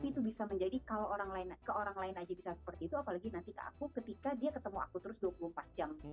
itu bisa menjadi kalau orang lain aja bisa seperti itu apalagi nanti ke aku ketika dia ketemu aku terus dua puluh empat jam